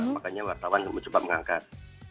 makanya wartawan mencoba mengangkat